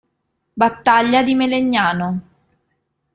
Battaglia di Melegnano